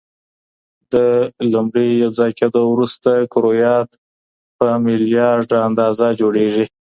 د لومړي یوځای کېدو وروسته کرویات په میلیارده اندازه جوړېږي.